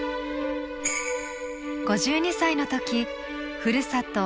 ５２歳の時ふるさと